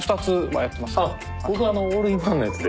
あっ僕オールインワンのやつで。